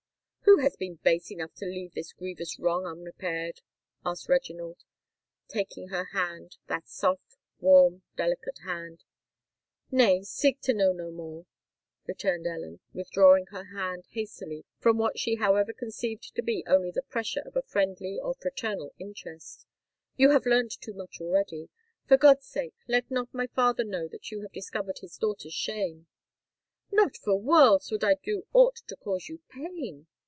"Who has been base enough to leave this grievous wrong unrepaired?" asked Reginald, taking her hand—that soft, warm, delicate hand. "Nay—seek to know no more," returned Ellen, withdrawing her hand hastily from what she however conceived to be only the pressure of a friendly or fraternal interest; "you have learnt too much already. For God's sake, let not my father know that you have discovered his daughter's shame!" "Not for worlds would I do aught to cause you pain!"